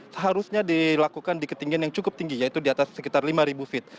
seharusnya dilakukan di ketinggian yang cukup tinggi yaitu di atas sekitar lima feet